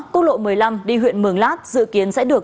quốc lộ một mươi năm đi huyện mường lát dự kiến sẽ được